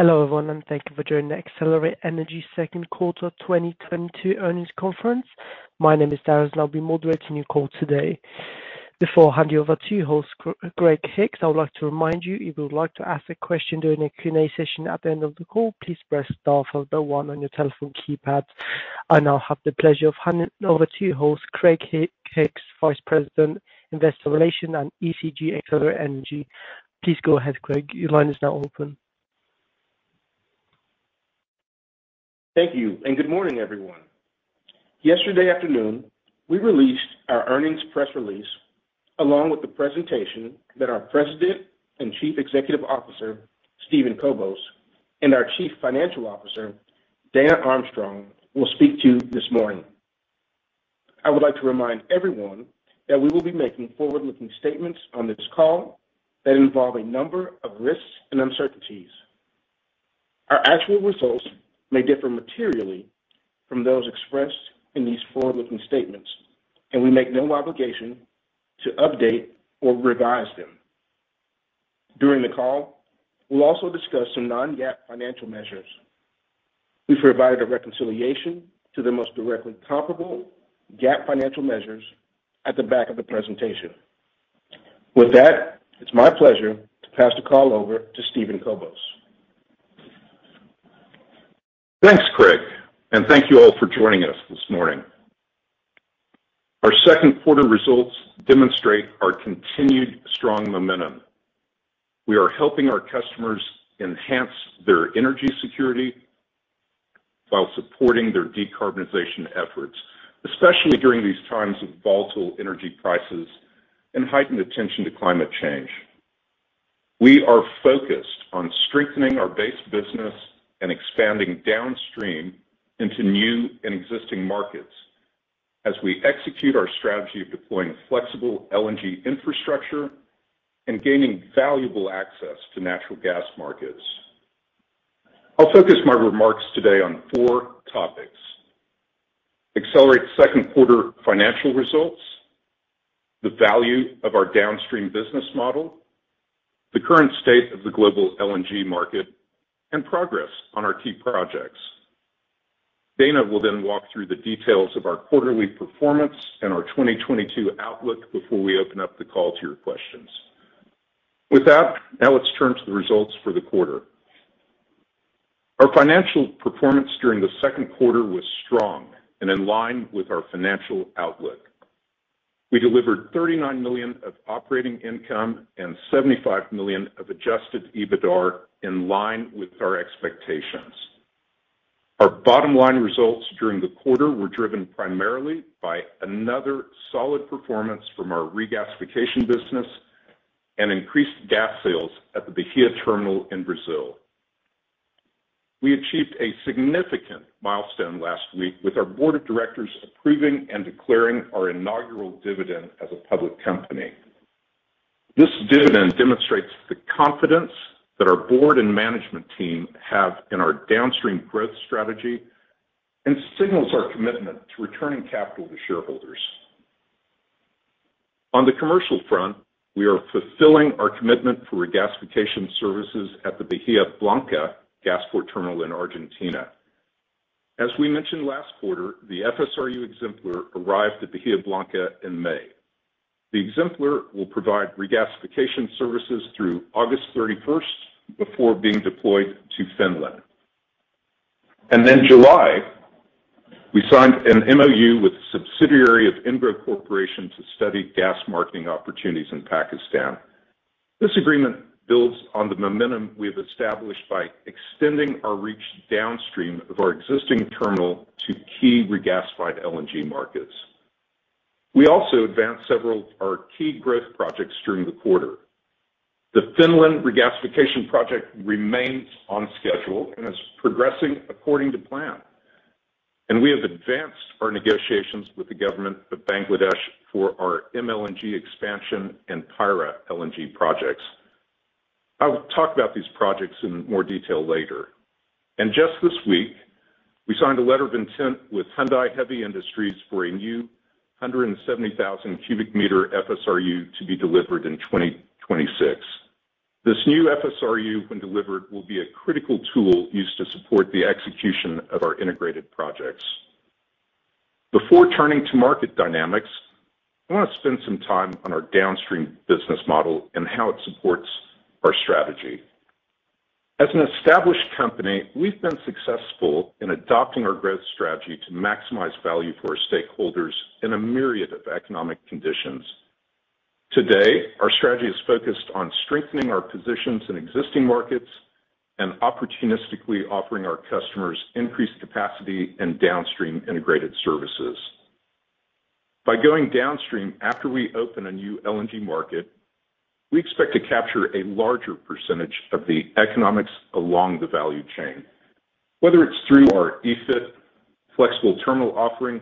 Hello, everyone, and thank you for joining Excelerate Energy's second quarter 2022 earnings conference call. My name is Darren, and I'll be moderating your call today. Before I hand you over to your host, Craig Hicks, I would like to remind you if you would like to ask a question during the Q&A session at the end of the call, please press star followed by one on your telephone keypad. I now have the pleasure of handing over to your host, Craig Hicks, Vice President, Investor Relations and ESG at Excelerate Energy. Please go ahead, Craig. Your line is now open. Thank you, and good morning, everyone. Yesterday afternoon, we released our earnings press release, along with the presentation that our President and Chief Executive Officer, Steven Kobos, and our Chief Financial Officer, Dana Armstrong, will speak to this morning. I would like to remind everyone that we will be making forward-looking statements on this call that involve a number of risks and uncertainties. Our actual results may differ materially from those expressed in these forward-looking statements, and we make no obligation to update or revise them. During the call, we'll also discuss some non-GAAP financial measures. We've provided a reconciliation to the most directly comparable GAAP financial measures at the back of the presentation. With that, it's my pleasure to pass the call over to Steven Kobos. Thanks, Craig, and thank you all for joining us this morning. Our second quarter results demonstrate our continued strong momentum. We are helping our customers enhance their energy security while supporting their decarbonization efforts, especially during these times of volatile energy prices and heightened attention to climate change. We are focused on strengthening our base business and expanding downstream into new and existing markets as we execute our strategy of deploying a flexible LNG infrastructure and gaining valuable access to natural gas markets. I'll focus my remarks today on four topics, Excelerate's second quarter financial results, the value of our downstream business model, the current state of the global LNG market, and progress on our key projects. Dana will then walk through the details of our quarterly performance and our 2022 outlook before we open up the call to your questions. With that, now let's turn to the results for the quarter. Our financial performance during the second quarter was strong and in line with our financial outlook. We delivered $39 million of operating income and $75 million of adjusted EBITDAR in line with our expectations. Our bottom line results during the quarter were driven primarily by another solid performance from our regasification business and increased gas sales at the Bahia terminal in Brazil. We achieved a significant milestone last week with our board of directors approving and declaring our inaugural dividend as a public company. This dividend demonstrates the confidence that our board and management team have in our downstream growth strategy and signals our commitment to returning capital to shareholders. On the commercial front, we are fulfilling our commitment for regasification services at the Bahía Blanca GasPort terminal in Argentina. As we mentioned last quarter, the FSRU Exemplar arrived at Bahía Blanca in May. The Exemplar will provide regasification services through August thirty-first before being deployed to Finland. In July, we signed an MOU with a subsidiary of Engro Corporation to study gas marketing opportunities in Pakistan. This agreement builds on the momentum we have established by extending our reach downstream of our existing terminal to key regasified LNG markets. We also advanced several of our key growth projects during the quarter. The Finland regasification project remains on schedule and is progressing according to plan. We have advanced our negotiations with the government of Bangladesh for our MLNG expansion and Payra LNG projects. I will talk about these projects in more detail later. Just this week, we signed a letter of intent with Hyundai Heavy Industries for a new 170,000 cubic meter FSRU to be delivered in 2026. This new FSRU, when delivered, will be a critical tool used to support the execution of our integrated projects. Before turning to market dynamics, I wanna spend some time on our downstream business model and how it supports our strategy. As an established company, we've been successful in adopting our growth strategy to maximize value for our stakeholders in a myriad of economic conditions. Today, our strategy is focused on strengthening our positions in existing markets and opportunistically offering our customers increased capacity and downstream integrated services. By going downstream after we open a new LNG market, we expect to capture a larger percentage of the economics along the value chain. Whether it's through our EFIT flexible terminal offering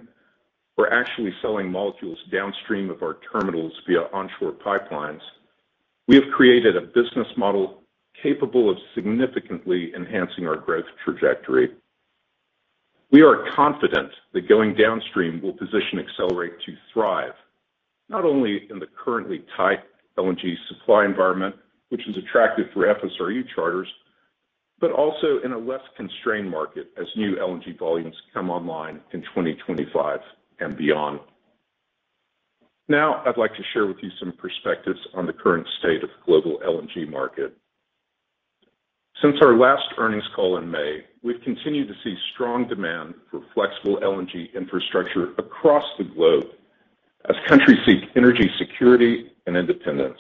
or actually selling molecules downstream of our terminals via onshore pipelines, we have created a business model capable of significantly enhancing our growth trajectory. We are confident that going downstream will position Excelerate to thrive, not only in the currently tight LNG supply environment, which is attractive for FSRU charters, but also in a less constrained market as new LNG volumes come online in 2025 and beyond. Now, I'd like to share with you some perspectives on the current state of the global LNG market. Since our last earnings call in May, we've continued to see strong demand for flexible LNG infrastructure across the globe as countries seek energy security and independence.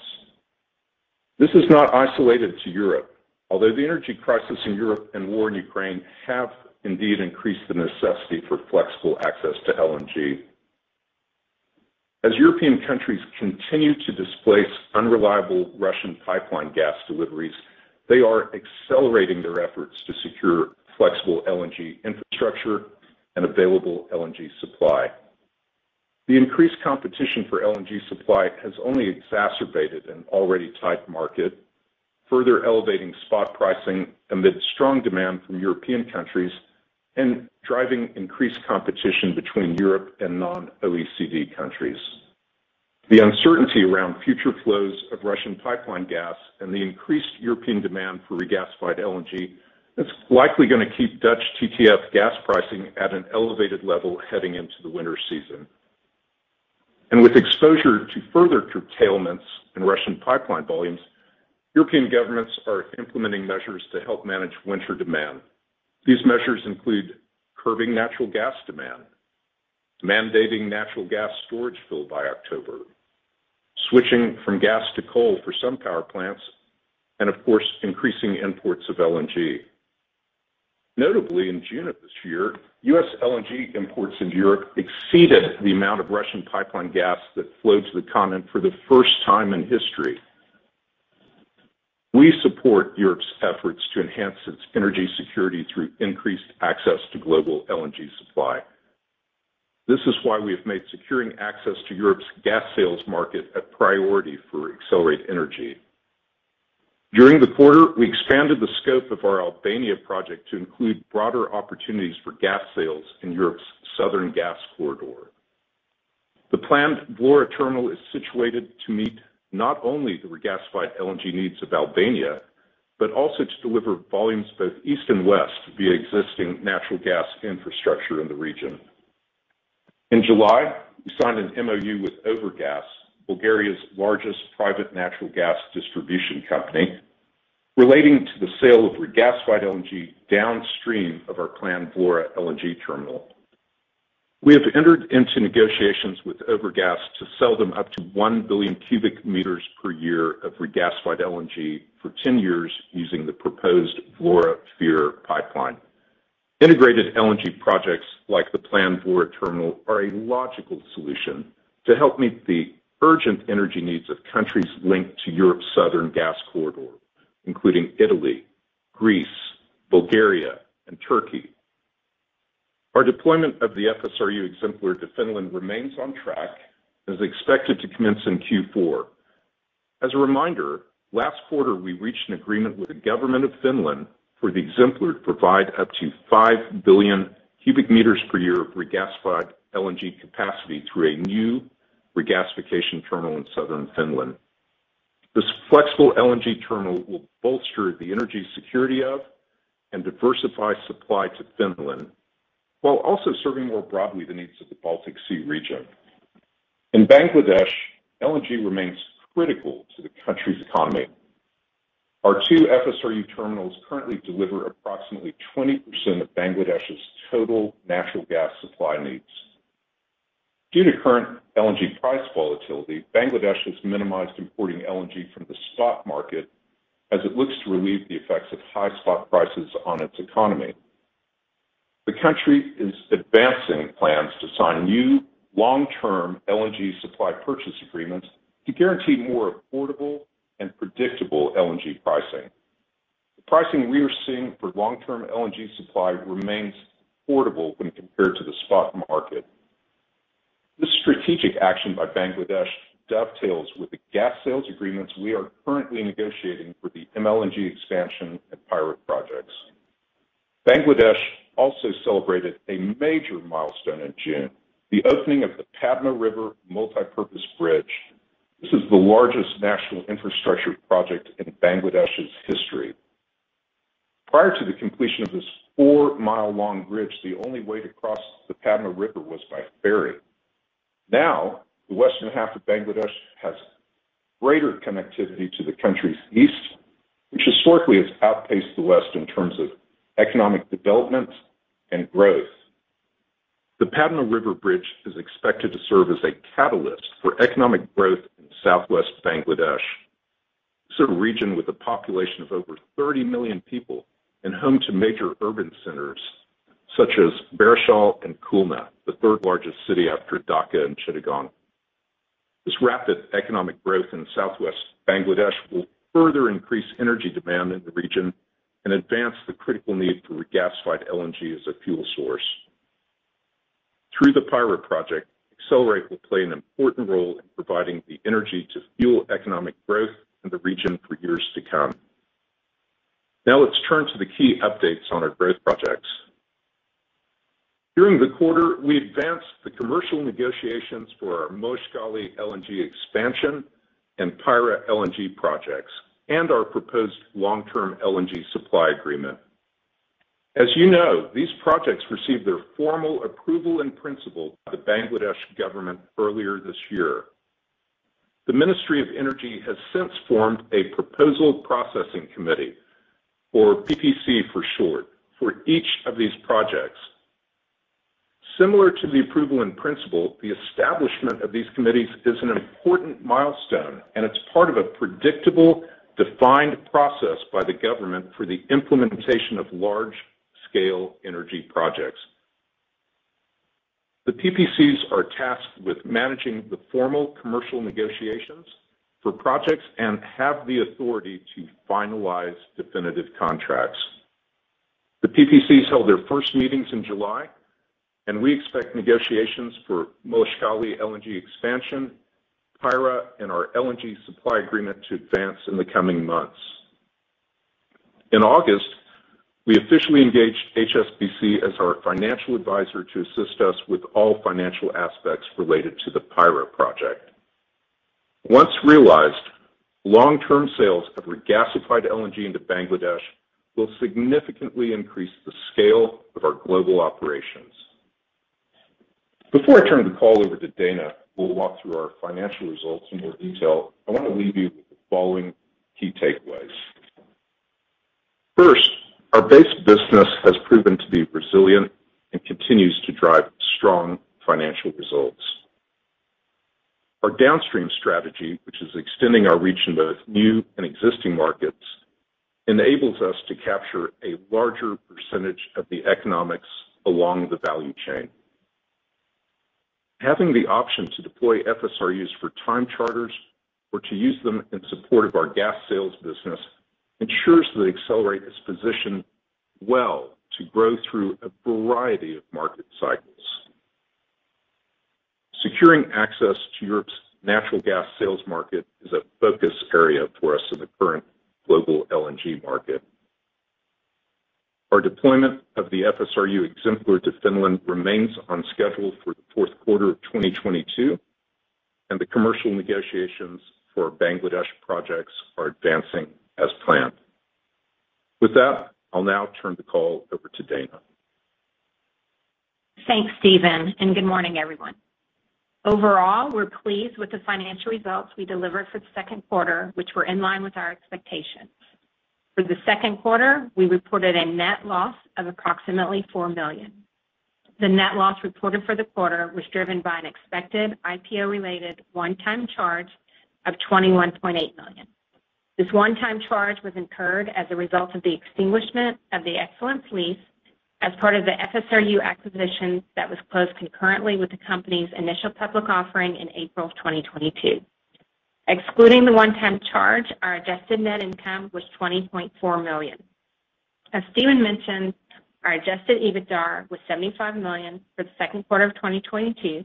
This is not isolated to Europe, although the energy crisis in Europe and war in Ukraine have indeed increased the necessity for flexible access to LNG. As European countries continue to displace unreliable Russian pipeline gas deliveries, they are accelerating their efforts to secure flexible LNG infrastructure and available LNG supply. The increased competition for LNG supply has only exacerbated an already tight market, further elevating spot pricing amid strong demand from European countries and driving increased competition between Europe and non-OECD countries. The uncertainty around future flows of Russian pipeline gas and the increased European demand for regasified LNG is likely gonna keep Dutch TTF gas pricing at an elevated level heading into the winter season. With exposure to further curtailments in Russian pipeline volumes, European governments are implementing measures to help manage winter demand. These measures include curbing natural gas demand, mandating natural gas storage fill by October, switching from gas to coal for some power plants, and of course, increasing imports of LNG. Notably, in June of this year, U.S. LNG imports into Europe exceeded the amount of Russian pipeline gas that flowed to the continent for the first time in history. We support Europe's efforts to enhance its energy security through increased access to global LNG supply. This is why we have made securing access to Europe's gas sales market a priority for Excelerate Energy. During the quarter, we expanded the scope of our Albania project to include broader opportunities for gas sales in Europe's Southern Gas Corridor. The planned Vlorë terminal is situated to meet not only the regasified LNG needs of Albania, but also to deliver volumes both east and west via existing natural gas infrastructure in the region. In July, we signed an MOU with Overgas, Bulgaria's largest private natural gas distribution company, relating to the sale of regasified LNG downstream of our planned Vlorë LNG terminal. We have entered into negotiations with Overgas to sell them up to 1 billion m³ per year of regasified LNG for 10 years using the proposed Vlorë-Fier pipeline. Integrated LNG projects like the planned Vlorë terminal are a logical solution to help meet the urgent energy needs of countries linked to Europe's Southern Gas Corridor, including Italy, Greece, Bulgaria, and Turkey. Our deployment of the FSRU Exemplar to Finland remains on track and is expected to commence in Q4. As a reminder, last quarter we reached an agreement with the government of Finland for the Exemplar to provide up to 5 billion m³ per year of regasified LNG capacity through a new regasification terminal in southern Finland. This flexible LNG terminal will bolster the energy security of and diversify supply to Finland, while also serving more broadly the needs of the Baltic Sea region. In Bangladesh, LNG remains critical to the country's economy. Our two FSRU terminals currently deliver approximately 20% of Bangladesh's total natural gas supply needs. Due to current LNG price volatility, Bangladesh has minimized importing LNG from the stock market as it looks to relieve the effects of high spot prices on its economy. The country is advancing plans to sign new long-term LNG supply purchase agreements to guarantee more affordable and predictable LNG pricing. The pricing we are seeing for long-term LNG supply remains affordable when compared to the spot market. This strategic action by Bangladesh dovetails with the gas sales agreements we are currently negotiating for the MLNG expansion and Payra projects. Bangladesh also celebrated a major milestone in June, the opening of the Padma River Multipurpose Bridge. This is the largest national infrastructure project in Bangladesh's history. Prior to the completion of this four-mile-long bridge, the only way to cross the Padma River was by ferry. Now, the western half of Bangladesh has greater connectivity to the country's east, which historically has outpaced the west in terms of economic development and growth. The Padma River Bridge is expected to serve as a catalyst for economic growth in southwest Bangladesh. This is a region with a population of over 30 million people and home to major urban centers such as Barisal and Khulna, the third-largest city after Dhaka and Chittagong. This rapid economic growth in southwest Bangladesh will further increase energy demand in the region and advance the critical need for regasified LNG as a fuel source. Through the Payra project, Excelerate will play an important role in providing the energy to fuel economic growth in the region for years to come. Now let's turn to the key updates on our growth projects. During the quarter, we advanced the commercial negotiations for our Moheshkhali LNG expansion and Payra LNG projects and our proposed long-term LNG supply agreement. As you know, these projects received their formal approval in principle by the Bangladesh government earlier this year. The Ministry of Energy has since formed a Proposal Processing Committee, or PPC for short, for each of these projects. Similar to the approval in principle, the establishment of these committees is an important milestone, and it's part of a predictable, defined process by the government for the implementation of large-scale energy projects. The PPCs are tasked with managing the formal commercial negotiations for projects and have the authority to finalize definitive contracts. The PPCs held their first meetings in July, and we expect negotiations for Moheshkhali LNG expansion, Payra, and our LNG supply agreement to advance in the coming months. In August, we officially engaged HSBC as our financial advisor to assist us with all financial aspects related to the Payra project. Once realized, long-term sales of regasified LNG into Bangladesh will significantly increase the scale of our global operations. Before I turn the call over to Dana, who will walk through our financial results in more detail, I want to leave you with the following key takeaways. First, our base business has proven to be resilient and continues to drive strong financial results. Our downstream strategy, which is extending our reach into both new and existing markets, enables us to capture a larger percentage of the economics along the value chain. Having the option to deploy FSRUs for time charters or to use them in support of our gas sales business ensures that Excelerate is positioned well to grow through a variety of market cycles. Securing access to Europe's natural gas sales market is a focus area for us in the current global LNG market. Our deployment of the FSRU Exemplar to Finland remains on schedule for the fourth quarter of 2022, and the commercial negotiations for our Bangladesh projects are advancing as planned. With that, I'll now turn the call over to Dana. Thanks, Steven, and good morning, everyone. Overall, we're pleased with the financial results we delivered for the second quarter, which were in line with our expectations. For the second quarter, we reported a net loss of approximately $4 million. The net loss reported for the quarter was driven by an expected IPO-related one-time charge of $21.8 million. This one-time charge was incurred as a result of the extinguishment of the Excellence lease as part of the FSRU acquisition that was closed concurrently with the company's initial public offering in April of 2022. Excluding the one-time charge, our adjusted net income was $20.4 million. As Steven mentioned, our adjusted EBITDA was $75 million for the second quarter of 2022,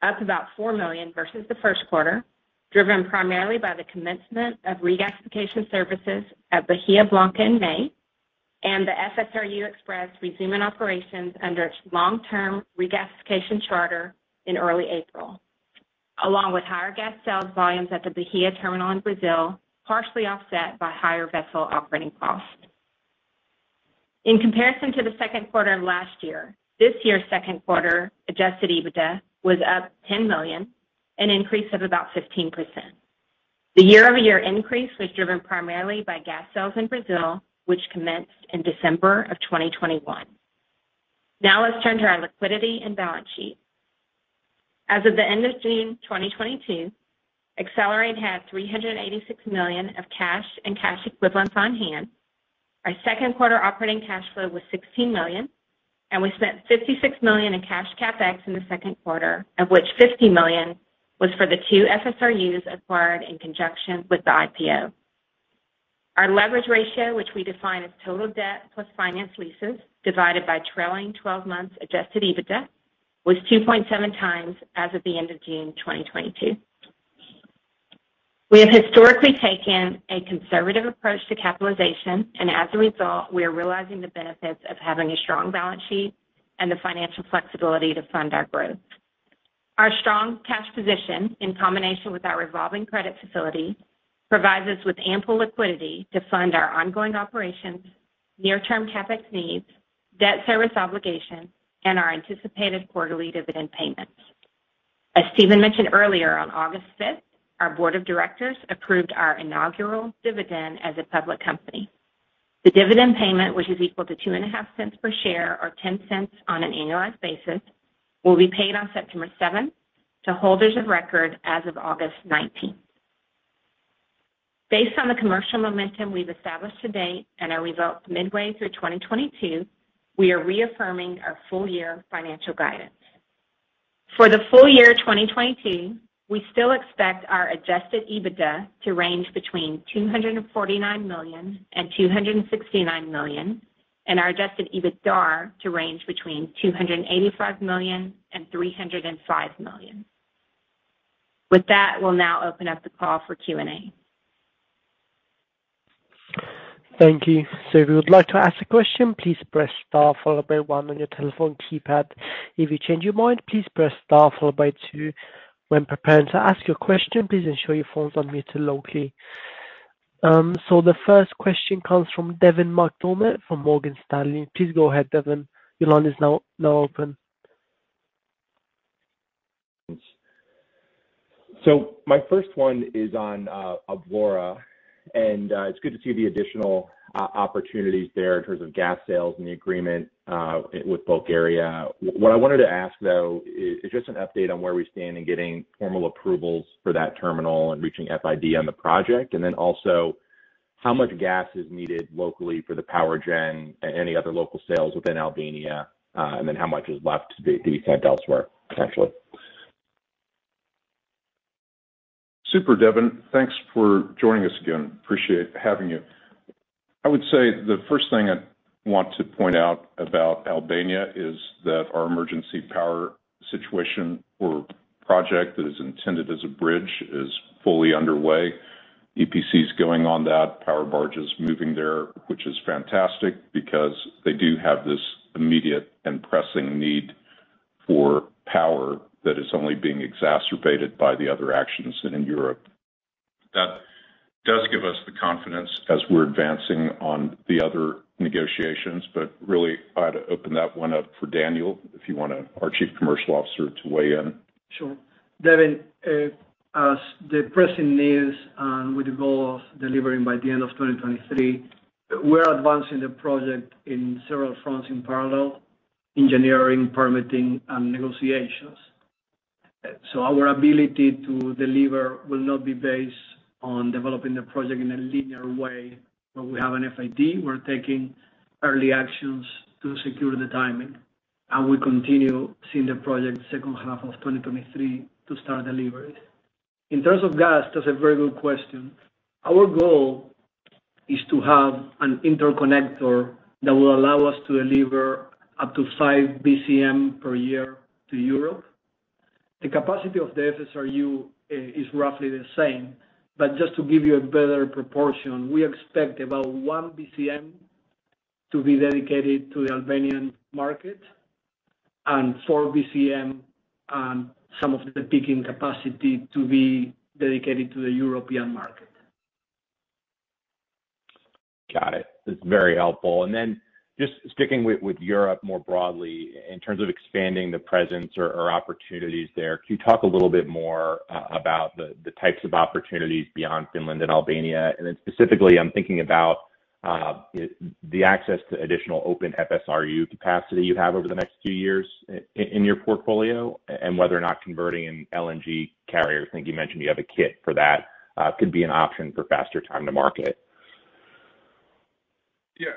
up about $4 million versus the first quarter, driven primarily by the commencement of regasification services at Bahía Blanca in May and the FSRU Express resuming operations under its long-term regasification charter in early April, along with higher gas sales volumes at the Bahia terminal in Brazil, partially offset by higher vessel operating costs. In comparison to the second quarter of last year, this year's second quarter adjusted EBITDA was up $10 million, an increase of about 15%. The year-over-year increase was driven primarily by gas sales in Brazil, which commenced in December of 2021. Now let's turn to our liquidity and balance sheet. As of the end of June 2022, Excelerate had $386 million of cash and cash equivalents on hand. Our second quarter operating cash flow was $16 million, and we spent $56 million in cash CapEx in the second quarter, of which $50 million was for the two FSRUs acquired in conjunction with the IPO. Our leverage ratio, which we define as total debt plus finance leases divided by trailing twelve months adjusted EBITDA, was 2.7 times as of the end of June 2022. We have historically taken a conservative approach to capitalization, and as a result, we are realizing the benefits of having a strong balance sheet and the financial flexibility to fund our growth. Our strong cash position, in combination with our revolving credit facility, provides us with ample liquidity to fund our ongoing operations, near-term CapEx needs, debt service obligations, and our anticipated quarterly dividend payments. As Steven mentioned earlier, on August 5th, our board of directors approved our inaugural dividend as a public company. The dividend payment, which is equal to two and a half cents per share, or 10 cents on an annualized basis, will be paid on September seventh to holders of record as of August nineteenth. Based on the commercial momentum we've established to date and our results midway through 2022, we are reaffirming our full-year financial guidance. For the full year 2022, we still expect our adjusted EBITDA to range between $249 million and $269 million, and our adjusted EBITDA to range between $285 million and $305 million. With that, we'll now open up the call for Q&A. Thank you. If you would like to ask a question, please press star followed by one on your telephone keypad. If you change your mind, please press star followed by two. When preparing to ask your question, please ensure your phone's on mute locally. The first question comes from Devin McDermott from Morgan Stanley. Please go ahead, Devin. Your line is now open. My first one is on Vlorë, and it's good to see the additional opportunities there in terms of gas sales and the agreement with Bulgaria. What I wanted to ask, though, is just an update on where we stand in getting formal approvals for that terminal and reaching FID on the project. Then also, how much gas is needed locally for the power gen and any other local sales within Albania, and then how much is left to be sent elsewhere, potentially? Super, Devin. Thanks for joining us again. Appreciate having you. I would say the first thing I want to point out about Albania is that our emergency power situation or project that is intended as a bridge is fully underway. EPC is going on that, power barge is moving there, which is fantastic because they do have this immediate and pressing need for power that is only being exacerbated by the other actions in Europe. That does give us the confidence as we're advancing on the other negotiations. Really, I'd open that one up for Daniel, if you want to our Chief Commercial Officer, to weigh in. Sure. Devin, as per the press release and with the goal of delivering by the end of 2023, we're advancing the project in several fronts in parallel, engineering, permitting, and negotiations. Our ability to deliver will not be based on developing the project in a linear way, but we have an FID. We're taking early actions to secure the timing, and we continue to see the project in the second half of 2023 to start delivery. In terms of gas, that's a very good question. Our goal is to have an interconnector that will allow us to deliver up to five BCM per year to Europe. The capacity of the FSRU is roughly the same, but just to give you a better proportion, we expect about 1 BCM to be dedicated to the Albanian market and 4 BCM and some of the peaking capacity to be dedicated to the European market. Got it. That's very helpful. Then just sticking with Europe more broadly, in terms of expanding the presence or opportunities there, can you talk a little bit more about the types of opportunities beyond Finland and Albania? Then specifically, I'm thinking about the access to additional open FSRU capacity you have over the next few years in your portfolio and whether or not converting an LNG carrier, I think you mentioned you have a kit for that, could be an option for faster time to market. Yeah.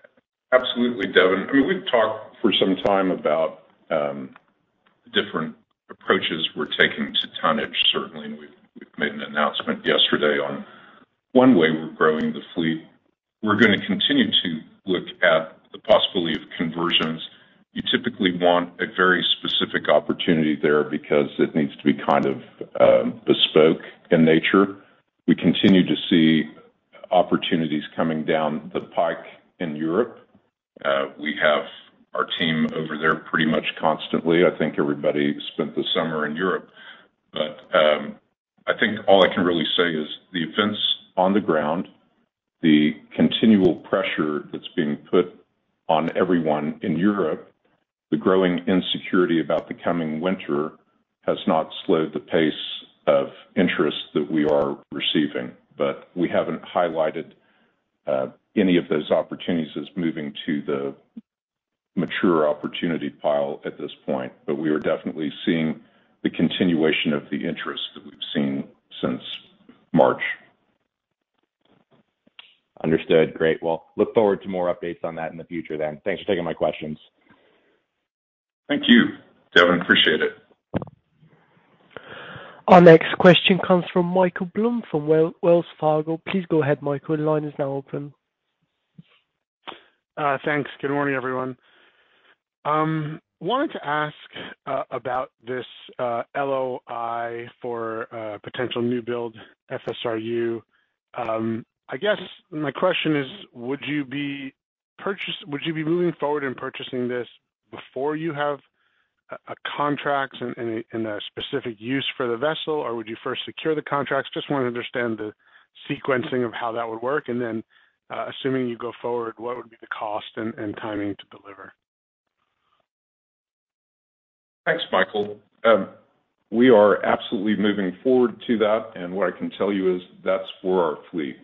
Absolutely, Devin. I mean, we've talked for some time about different approaches we're taking to tonnage, certainly, and we've made an announcement yesterday on one way we're growing the fleet. We're gonna continue to look at the possibility of conversions. You typically want a very specific opportunity there because it needs to be kind of bespoke in nature. We continue to see opportunities coming down the pike in Europe. We have our team over there pretty much constantly. I think everybody spent the summer in Europe. I think all I can really say is the events on the ground, the continual pressure that's being put on everyone in Europe, the growing insecurity about the coming winter has not slowed the pace of interest that we are receiving. We haven't highlighted any of those opportunities as moving to the mature opportunity pile at this point. We are definitely seeing the continuation of the interest that we've seen since March. Understood. Great. Well, look forward to more updates on that in the future then. Thanks for taking my questions. Thank you, Devin. Appreciate it. Our next question comes from Michael Blum from Wells Fargo. Please go ahead, Michael. The line is now open. Thanks. Good morning, everyone. Wanted to ask about this LOI for a potential new build FSRU. I guess my question is: Would you be moving forward in purchasing this before you have a contract and a specific use for the vessel? Or would you first secure the contracts? Just want to understand the sequencing of how that would work. Assuming you go forward, what would be the cost and timing to deliver? Thanks, Michael. We are absolutely moving forward to that. What I can tell you is that's for our fleet.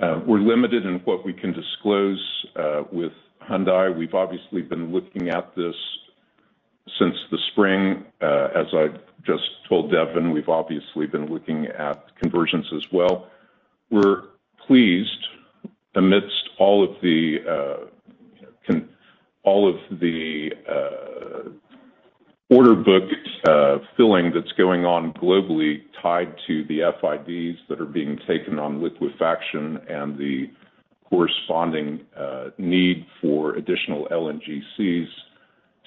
We're limited in what we can disclose with Hyundai. We've obviously been looking at this since the spring. As I just told Devin, we've obviously been looking at conversions as well. We're pleased amidst all of the order book filling that's going on globally tied to the FIDs that are being taken on liquefaction and the corresponding need for additional LNGCs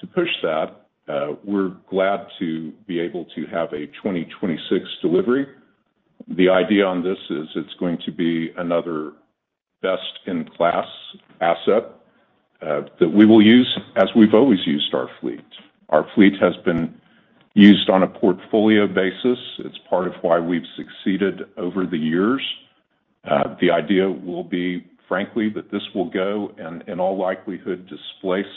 to push that. We're glad to be able to have a 2026 delivery. The idea on this is it's going to be another best-in-class asset that we will use as we've always used our fleet. Our fleet has been used on a portfolio basis. It's part of why we've succeeded over the years. The idea will be, frankly, that this will go and in all likelihood, displace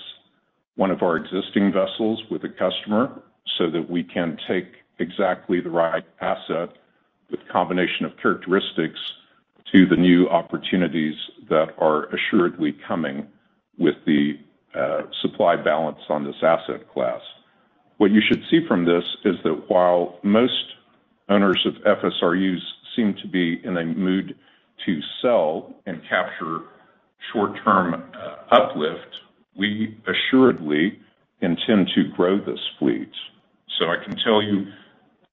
one of our existing vessels with a customer so that we can take exactly the right asset with combination of characteristics to the new opportunities that are assuredly coming with the supply balance on this asset class. What you should see from this is that while most owners of FSRUs seem to be in a mood to sell and capture short-term uplift, we assuredly intend to grow this fleet. I can tell you,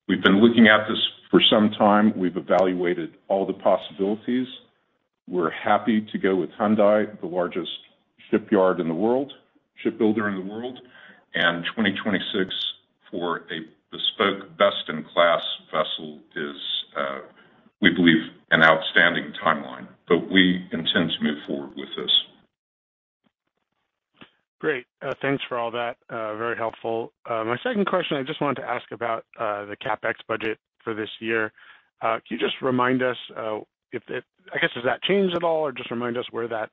we've been looking at this for some time. We've evaluated all the possibilities. We're happy to go with Hyundai, the largest shipyard in the world, shipbuilder in the world. 2026 for a bespoke best-in-class vessel is, we believe, an outstanding timeline. We intend to move forward with this. Great. Thanks for all that. Very helpful. My second question, I just wanted to ask about the CapEx budget for this year. Can you just remind us, I guess, has that changed at all? Or just remind us where that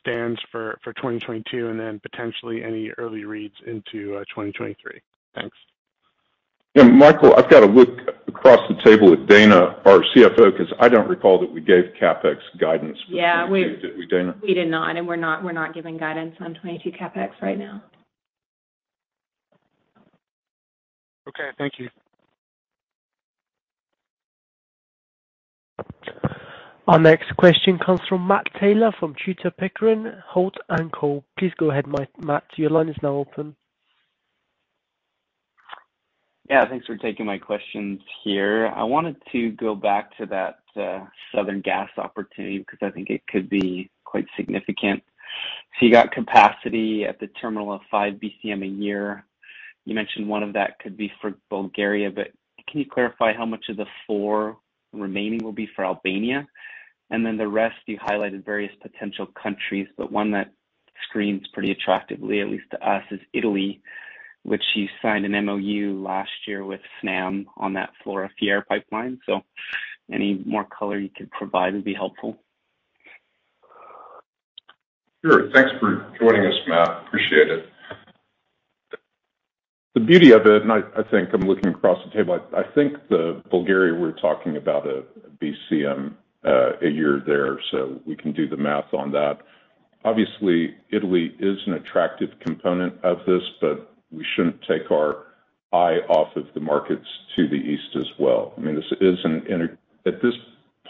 stands for 2022 and then potentially any early reads into 2023. Thanks. Yeah, Michael, I've got to look across the table at Dana, our CFO, because I don't recall that we gave CapEx guidance for 2022. Yeah. Did we, Dana? We did not, and we're not giving guidance on 2022 CapEx right now. Okay. Thank you. Our next question comes from Matt Taylor from Tudor, Pickering, Holt & Co. Please go ahead, Matt. Your line is now open. Yeah, thanks for taking my questions here. I wanted to go back to that Southern Gas Corridor opportunity because I think it could be quite significant. You got capacity at the terminal of 5 BCM a year. You mentioned one of that could be for Bulgaria, but can you clarify how much of the 4 BCM remaining will be for Albania? The rest, you highlighted various potential countries, but one that screens pretty attractively, at least to us, is Italy, which you signed an MOU last year with Snam on that Vlorë-Fier pipeline. Any more color you could provide would be helpful. Sure. Thanks for joining us, Matt. Appreciate it. The beauty of it, I think I'm looking across the table. I think the Bulgaria, we're talking about a BCM a year there, so we can do the math on that. Obviously, Italy is an attractive component of this, but we shouldn't take our eye off of the markets to the East as well. I mean, at this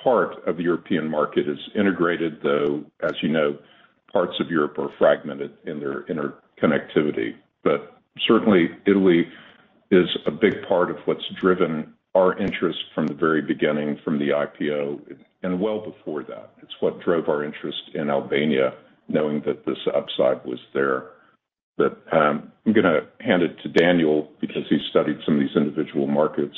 part of the European market is integrated, though, as you know, parts of Europe are fragmented in their interconnectivity. Certainly Italy is a big part of what's driven our interest from the very beginning, from the IPO and well before that. It's what drove our interest in Albania, knowing that this upside was there. I'm gonna hand it to Daniel because he studied some of these individual markets.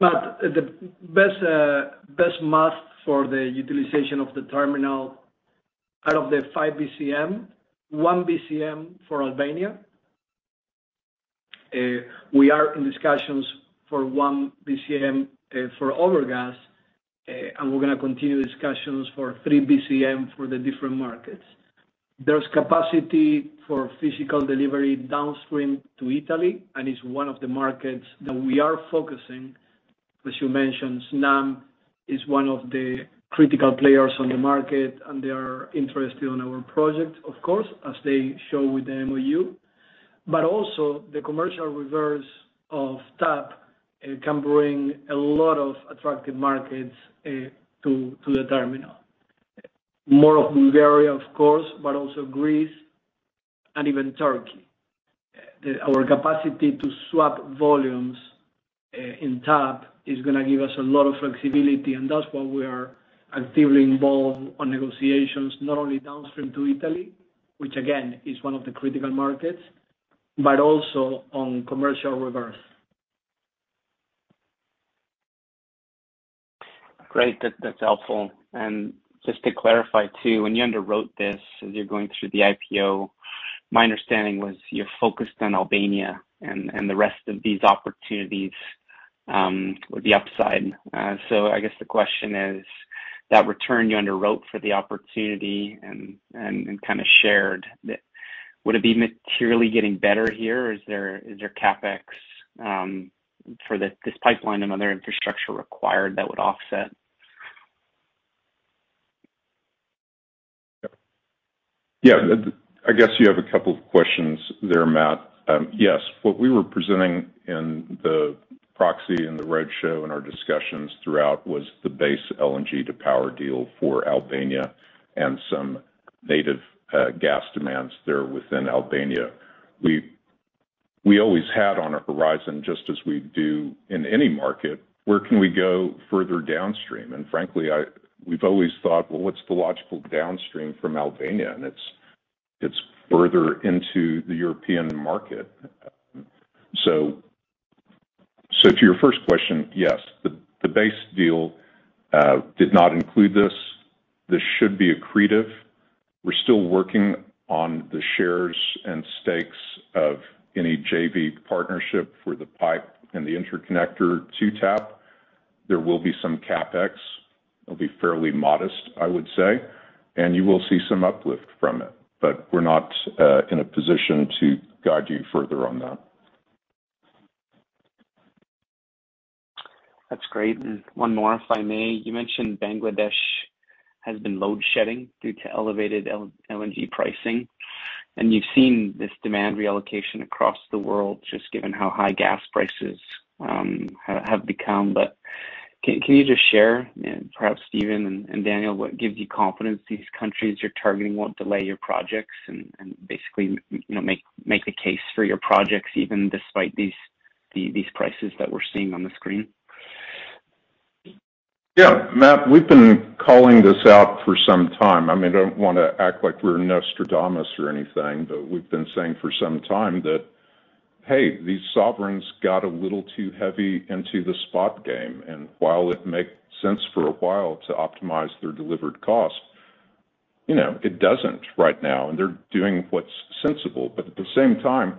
The best math for the utilization of the terminal out of the 5 BCM, 1 BCM for Albania. We are in discussions for 1 BCM for Overgas, and we're gonna continue discussions for 3 BCM for the different markets. There's capacity for physical delivery downstream to Italy, and it's one of the markets that we are focusing. As you mentioned, Snam is one of the critical players on the market, and they are interested in our project, of course, as they show with the MOU. Also the commercial reverse of TAP can bring a lot of attractive markets to the terminal. More of Bulgaria, of course, but also Greece and even Turkey. Our capacity to swap volumes in TAP is gonna give us a lot of flexibility, and that's why we are actively involved on negotiations, not only downstream to Italy, which again, is one of the critical markets, but also on commercial reverse. Great. That's helpful. Just to clarify too, when you underwrote this as you're going through the IPO, my understanding was you're focused on Albania and the rest of these opportunities with the upside. So I guess the question is that return you underwrote for the opportunity and kind of shared, would it be materially getting better here? Is there CapEx for this pipeline and other infrastructure required that would offset? Yeah. I guess you have a couple of questions there, Matt. Yes. What we were presenting in the proxy in the roadshow and our discussions throughout was the base LNG to power deal for Albania and some native gas demands there within Albania. We always had on our horizon, just as we do in any market, where can we go further downstream? Frankly, we've always thought, well, what's the logical downstream from Albania? It's further into the European market. To your first question, yes. The base deal did not include this. This should be accretive. We're still working on the shares and stakes of any JV partnership for the pipe and the interconnector to TAP. There will be some CapEx. It'll be fairly modest, I would say. You will see some uplift from it, but we're not in a position to guide you further on that. That's great. One more, if I may. You mentioned Bangladesh has been load-shedding due to elevated LNG pricing, and you've seen this demand reallocation across the world just given how high gas prices have become. Can you just share, and perhaps Steven and Daniel, what gives you confidence these countries you're targeting won't delay your projects and basically, you know, make the case for your projects even despite these prices that we're seeing on the screen? Yeah. Matt, we've been calling this out for some time. I mean, I don't wanna act like we're Nostradamus or anything, but we've been saying for some time that, hey, these sovereigns got a little too heavy into the spot game. While it makes sense for a while to optimize their delivered cost, you know, it doesn't right now, and they're doing what's sensible. At the same time,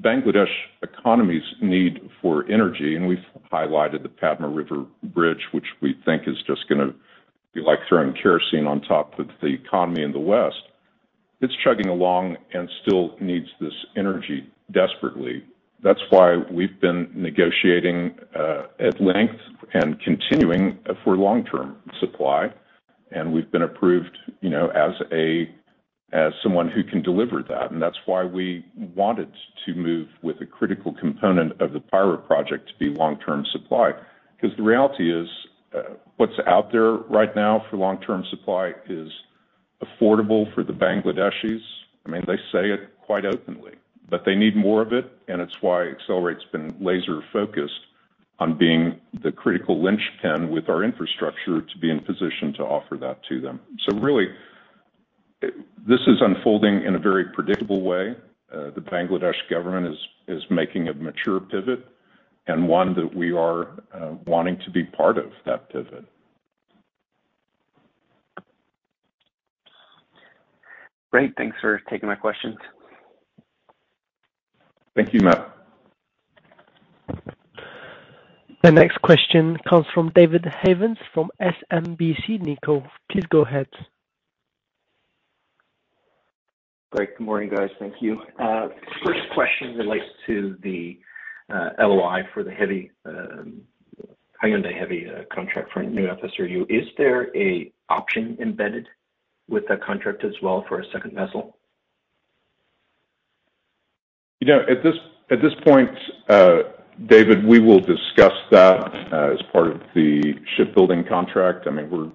Bangladesh economy's need for energy, and we've highlighted the Padma River Bridge, which we think is just gonna be like throwing kerosene on top of the economy in the West. It's chugging along and still needs this energy desperately. That's why we've been negotiating at length and continuing for long-term supply, and we've been approved, you know, as someone who can deliver that. That's why we wanted to move with a critical component of the Payra project to be long-term supply. 'Cause the reality is, what's out there right now for long-term supply is affordable for the Bangladeshis. I mean, they say it quite openly. They need more of it, and it's why Excelerate's been laser-focused on being the critical linchpin with our infrastructure to be in position to offer that to them. Really, this is unfolding in a very predictable way. The Bangladesh government is making a mature pivot and one that we are wanting to be part of that pivot. Great. Thanks for taking my questions. Thank you, Matt. The next question comes from David Havens from SMBC Nikko. Please go ahead. Great. Good morning, guys. Thank you. First question relates to the LOI for the Hyundai Heavy Industries contract for a new FSRU. Is there an option embedded with that contract as well for a second vessel? You know, at this point, David, we will discuss that, as part of the shipbuilding contract. I mean, we're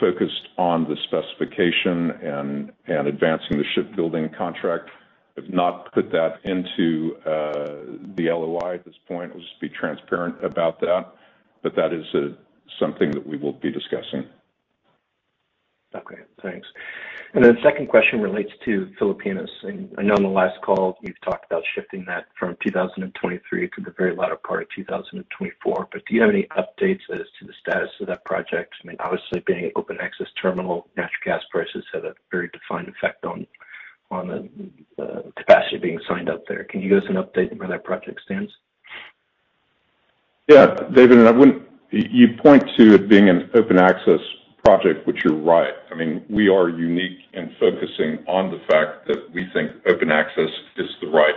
focused on the specification and advancing the shipbuilding contract. We've not put that into the LOI at this point. We'll just be transparent about that. That is something that we will be discussing. Okay, thanks. Then second question relates to Philippines. I know on the last call, you've talked about shifting that from 2023 to the very latter part of 2024. But do you have any updates as to the status of that project? I mean, obviously being open access terminal, natural gas prices have a very defined effect on the capacity being signed up there. Can you give us an update on where that project stands? Yeah. David, you point to it being an open access project, which you're right. I mean, we are unique in focusing on the fact that we think open access is the right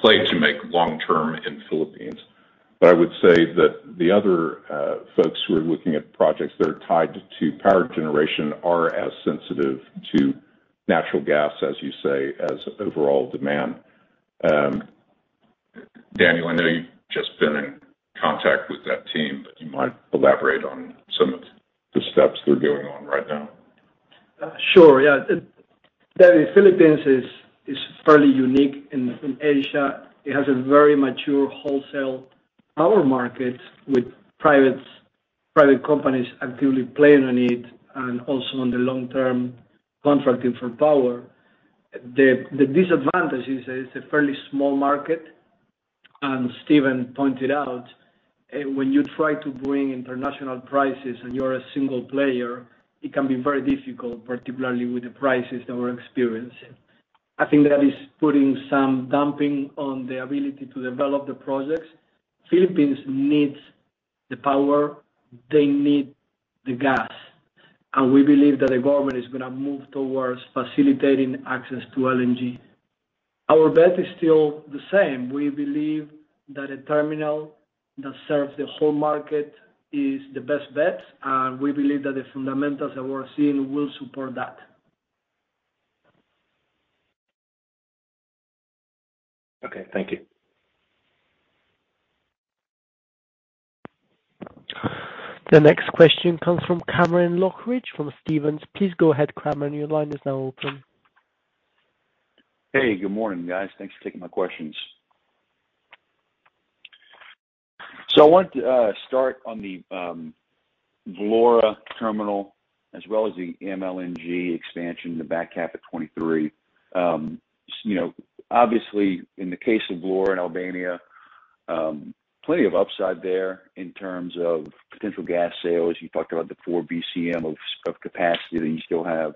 play to make long-term in Philippines. I would say that the other folks who are looking at projects that are tied to power generation are as sensitive to natural gas, as you say, as overall demand. Daniel, I know you've just been in contact with that team, but you might elaborate on some of the steps they're going on right now. Sure. Yeah. The Philippines is fairly unique in Asia. It has a very mature wholesale power market with private companies actively playing on it and also on the long-term contracting for power. The disadvantage is it's a fairly small market, and Steven pointed out when you try to bring international prices and you're a single player, it can be very difficult, particularly with the prices that we're experiencing. I think that is putting some dampening on the ability to develop the projects. Philippines needs the power. They need the gas, and we believe that the government is gonna move towards facilitating access to LNG. Our bet is still the same. We believe that a terminal that serves the whole market is the best bet, and we believe that the fundamentals that we're seeing will support that. Okay. Thank you. The next question comes from Cameron Lochridge from Stephens. Please go ahead, Cameron. Your line is now open. Hey, good morning, guys. Thanks for taking my questions. I want to start on the Vlorë terminal as well as the MLNG expansion in the back half of 2023. You know, obviously in the case of Vlorë and Albania, plenty of upside there in terms of potential gas sales. You talked about the 4 BCM of capacity that you still have.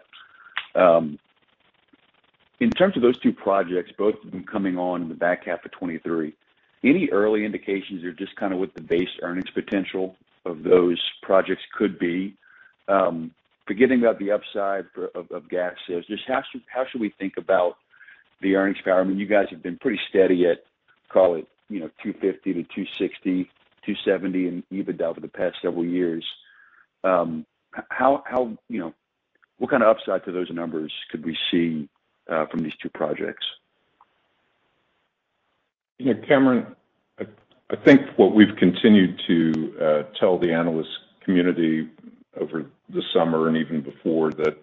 In terms of those two projects, both of them coming on in the back half of 2023, any early indications or just kind of what the base earnings potential of those projects could be? Forgetting about the upside of gas sales, just how should we think about the earnings power? I mean, you guys have been pretty steady at, call it, you know, $250 million-$260 million, $270 million in EBITDA for the past several years. How, you know, what kind of upside to those numbers could we see from these two projects? You know, Cameron, I think what we've continued to tell the analyst community over the summer and even before that,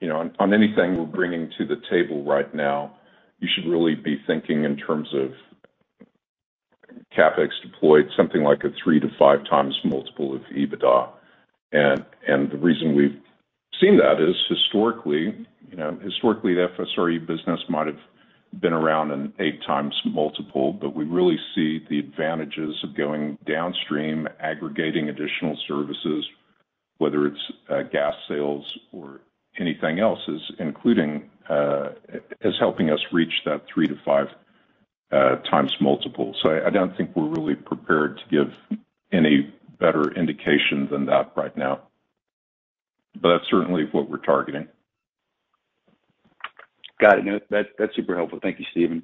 you know, on anything we're bringing to the table right now, you should really be thinking in terms of CapEx deployed, something like a 3x-5x multiple of EBITDA. The reason we've seen that is historically, the FSRU business might have been around an 8x multiple, but we really see the advantages of going downstream, aggregating additional services, whether it's gas sales or anything else is helping us reach that 3x-5x multiple. I don't think we're really prepared to give any better indication than that right now. That's certainly what we're targeting. Got it. No, that's super helpful. Thank you, Steven.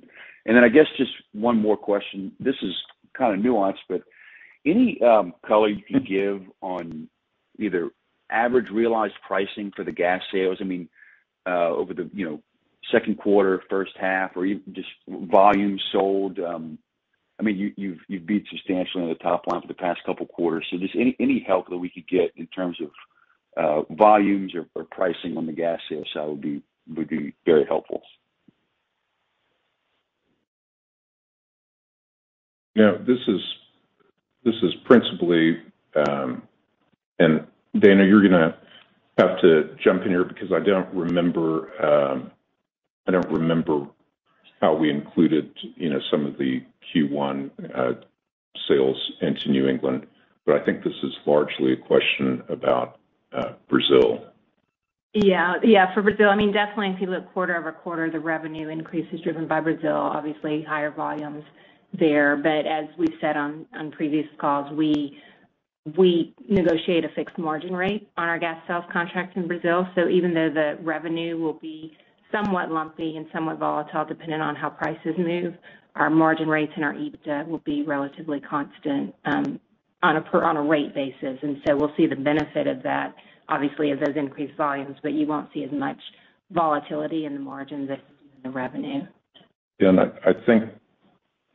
I guess just one more question. This is kind of nuanced, but any color you can give on either average realized pricing for the gas sales, I mean, over the, you know, second quarter, first half or even just volume sold. I mean, you've beat substantially on the top line for the past couple quarters. Just any help that we could get in terms of, volumes or pricing on the gas sales, that would be very helpful. Yeah. This is principally. Dana, you're gonna have to jump in here because I don't remember how we included, you know, some of the Q1 sales into New England. I think this is largely a question about Brazil. Yeah. Yeah, for Brazil, I mean, definitely if you look quarter-over-quarter, the revenue increase is driven by Brazil, obviously higher volumes there. As we said on previous calls, we negotiate a fixed margin rate on our gas sales contract in Brazil. Even though the revenue will be somewhat lumpy and somewhat volatile, depending on how prices move, our margin rates and our EBITDA will be relatively constant on a rate basis. We'll see the benefit of that obviously as those increased volumes, but you won't see as much volatility in the margins as you do in the revenue. I think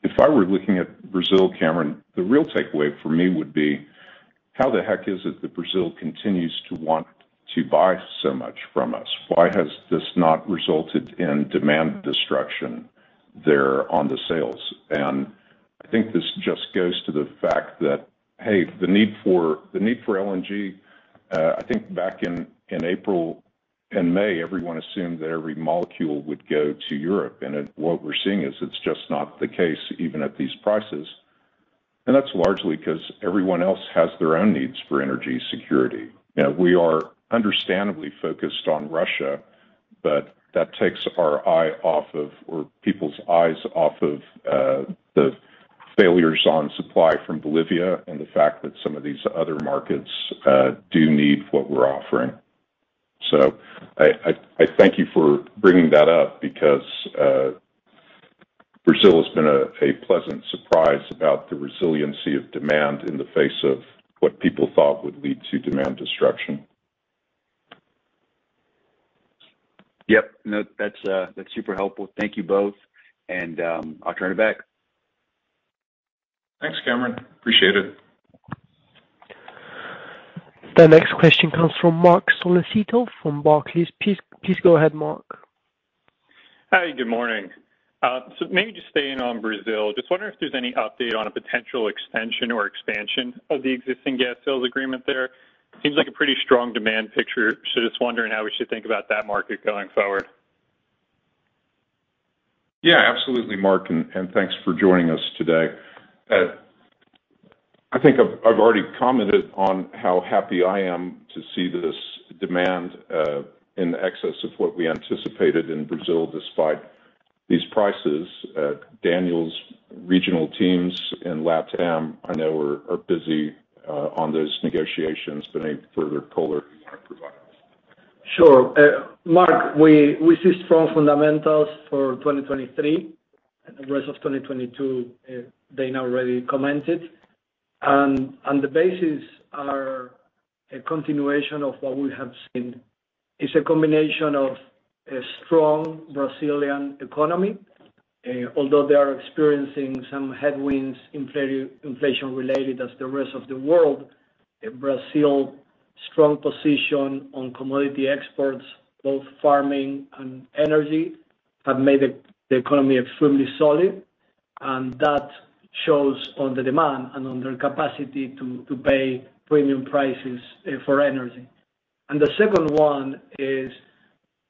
if I were looking at Brazil, Cameron, the real takeaway for me would be how the heck is it that Brazil continues to want to buy so much from us? Why has this not resulted in demand destruction there on the sales? I think this just goes to the fact that, hey, the need for LNG. I think back in April and May, everyone assumed that every molecule would go to Europe. What we're seeing is it's just not the case, even at these prices. That's largely 'cause everyone else has their own needs for energy security. You know, we are understandably focused on Russia, but that takes our eye off of, or people's eyes off of, the failures on supply from Bolivia and the fact that some of these other markets do need what we're offering. I thank you for bringing that up because Brazil has been a pleasant surprise about the resiliency of demand in the face of what people thought would lead to demand destruction. Yep. No, that's super helpful. Thank you both, and, I'll turn it back. Thanks, Cameron. Appreciate it. The next question comes from Marc Solecitto from Barclays. Please go ahead, Marc. Hi. Good morning. Maybe just staying on Brazil. Just wondering if there's any update on a potential extension or expansion of the existing gas sales agreement there. Seems like a pretty strong demand picture. Just wondering how we should think about that market going forward. Yeah. Absolutely, Marc, and thanks for joining us today. I think I've already commented on how happy I am to see this demand in excess of what we anticipated in Brazil despite these prices. Daniel's regional teams in LatAm I know are busy on those negotiations. Any further color you wanna provide us? Sure. Marc, we see strong fundamentals for 2023 and the rest of 2022. Dana already commented. On the basis are a continuation of what we have seen is a combination of a strong Brazilian economy, although they are experiencing some headwinds inflation related as the rest of the world. Brazil's strong position on commodity exports, both farming and energy, have made the economy extremely solid, and that shows on the demand and on their capacity to pay premium prices for energy. The second one is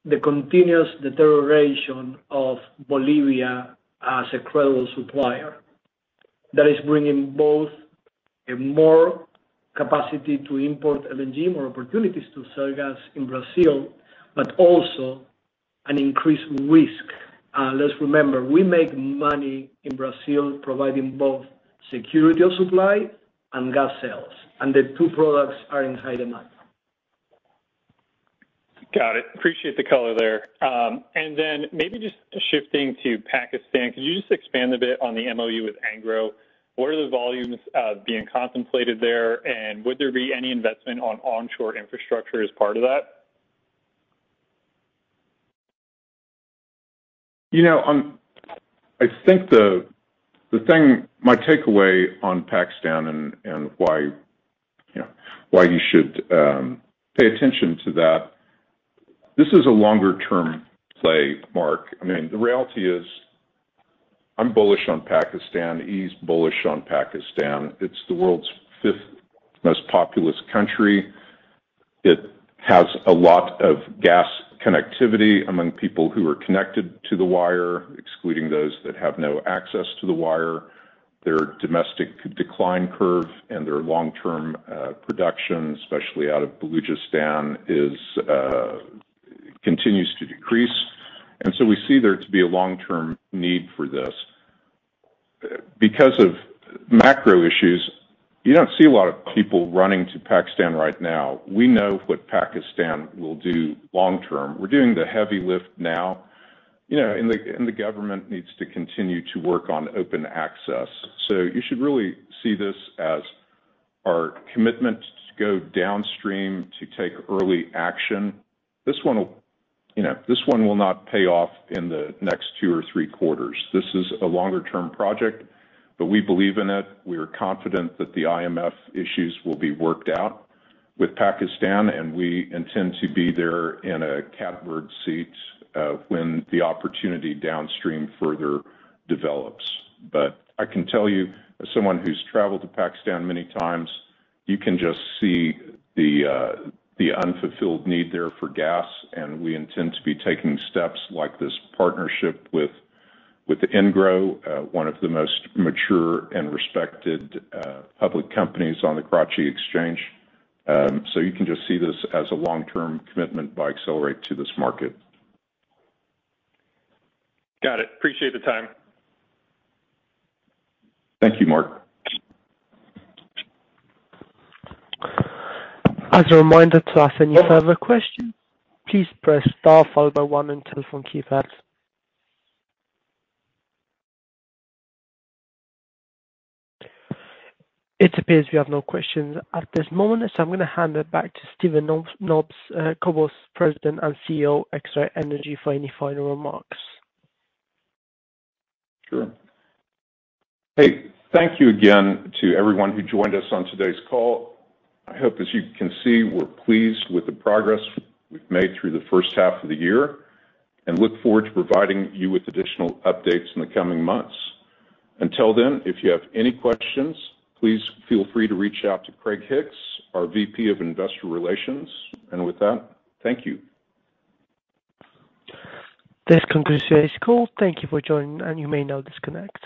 the continuous deterioration of Bolivia as a credible supplier. That is bringing both more capacity to import LNG, more opportunities to sell gas in Brazil, but also an increased risk. Let's remember, we make money in Brazil providing both security of supply and gas sales, and the two products are in high demand. Got it. Appreciate the color there. Maybe just shifting to Pakistan, could you just expand a bit on the MOU with Engro? What are the volumes being contemplated there? Would there be any investment on onshore infrastructure as part of that? You know, I think my takeaway on Pakistan and why, you know, why you should pay attention to that. This is a longer-term play, Marc. I mean, the reality is, I'm bullish on Pakistan, Excelerate's bullish on Pakistan. It's the world's fifth most populous country. It has a lot of gas connectivity among people who are connected to the wire, excluding those that have no access to the wire. Their domestic decline curve and their long-term production, especially out of Balochistan, continues to decrease. We see there to be a long-term need for this. Because of macro issues, you don't see a lot of people running to Pakistan right now. We know what Pakistan will do long term. We're doing the heavy lift now, you know, and the government needs to continue to work on open access. You should really see this as our commitment to go downstream to take early action. This one will, you know, not pay off in the next two or three quarters. This is a longer term project, but we believe in it. We are confident that the IMF issues will be worked out with Pakistan, and we intend to be there in a catbird seat when the opportunity downstream further develops. I can tell you, as someone who's traveled to Pakistan many times, you can just see the unfulfilled need there for gas, and we intend to be taking steps like this partnership with Engro, one of the most mature and respected public companies on the Karachi Exchange. You can just see this as a long-term commitment by Excelerate to this market. Got it. Appreciate the time. Thank you, Marc. As a reminder to ask any further questions, please press star followed by one on telephone keypads. It appears we have no questions at this moment, so I'm gonna hand it back to Steven Kobos, President and CEO, Excelerate Energy, for any final remarks. Sure. Hey, thank you again to everyone who joined us on today's call. I hope, as you can see, we're pleased with the progress we've made through the first half of the year, and look forward to providing you with additional updates in the coming months. Until then, if you have any questions, please feel free to reach out to Craig Hicks, our VP of Investor Relations. With that, thank you. This concludes today's call. Thank you for joining, and you may now disconnect.